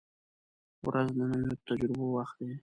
• ورځ د نویو تجربو وخت دی.